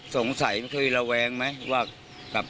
ถามว่า